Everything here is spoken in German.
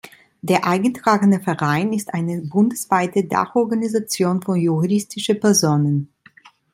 Der eingetragene Verein ist eine „bundesweite Dachorganisation von juristischen Personen“.